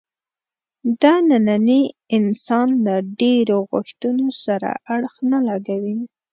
د ننني انسان له ډېرو غوښتنو سره اړخ نه لګوي.